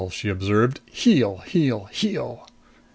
she observed. "Heel! Heel! Heel!"